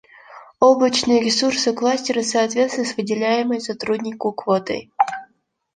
Облачные ресурсы кластера в соответствии с выделяемой сотруднику квотой